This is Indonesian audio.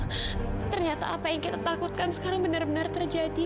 nah ternyata apa yang kita takutkan sekarang benar benar terjadi